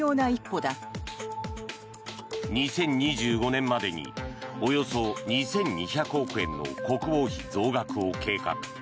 ２０２５年までにおよそ２２００億円の国防費増額を計画。